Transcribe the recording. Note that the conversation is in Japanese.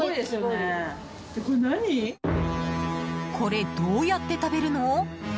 これ、どうやって食べるの？